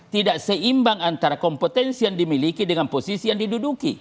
tidak seimbang antara kompetensi yang dimiliki dengan posisi yang diduduki